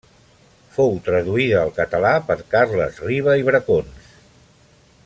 Fou traduïda al català per Carles Riba i Bracons.